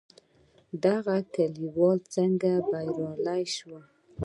دغه کليوال څنګه بريالي شول؟